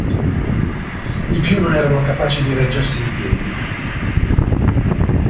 I più non erano capaci di reggersi in piedi.